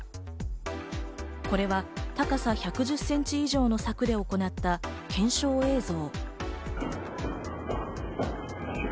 これは高さ１１０センチ以上の柵で行った検証映像。